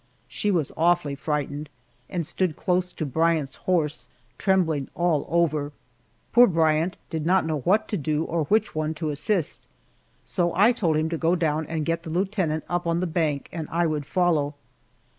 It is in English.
She was awfully frightened and stood close to Bryant's horse, trembling all over. Poor Bryant did not know what to do or which one to assist, so I told him to go down and get the lieutenant up on the bank and I would follow.